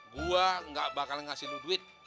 gua nggak bakal ngasih lu duit